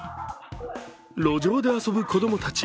路上で遊ぶ子供たち。